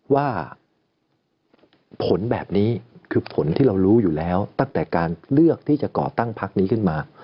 ว่าผลแบบนี้คือผลที่เรารู้อยู่แล้วตั้งแต่การเลือกที่จะก่อตั้งพักนี้ขึ้นมา